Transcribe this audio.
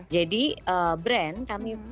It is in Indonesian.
jadi brand kami